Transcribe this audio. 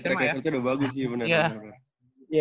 track record nya udah bagus sih bener